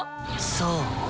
そう？